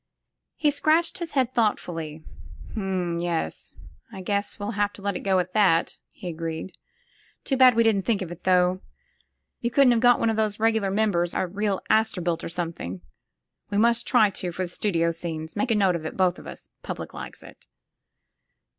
He scratched his head thoughtfully. "Um, yes, I guess we'll have to let it go at that," he agreed. "Too bad we didn't think of it, though. You 190 THE FILM OF FATE couldn't have got one of the regular members — ^a real Astorbilt or something ? We must try to, for the studio scenes. Make a note of it, both of us. Public likes it."